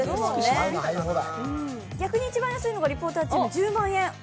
逆に一番安いのがリポーターチーム。